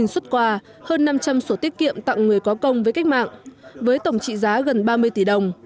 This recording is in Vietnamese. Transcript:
một mươi xuất quà hơn năm trăm linh sổ tiết kiệm tặng người có công với cách mạng với tổng trị giá gần ba mươi tỷ đồng